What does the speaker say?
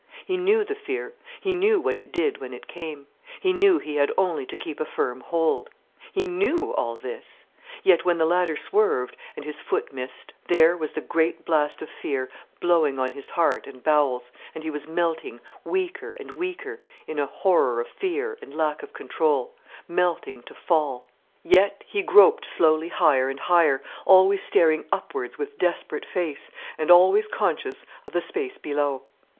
He knew the fear, he knew what it did when it came, he knew he had only to keep a firm hold. He knew all this. Yet, when the ladder swerved, and his foot missed, there was the great blast of fear blowing on his heart and bowels, and he was melting weaker and weaker, in a horror of fear and lack of control, melting to fall. Yet he groped slowly higher and higher, always staring upwards with desperate face, and always conscious of the space below.